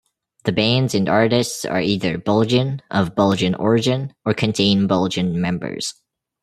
The bands and artists are either Belgian, of Belgian origin or contain Belgian members.